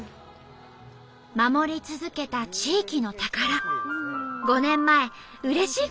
守り続けた地域の宝。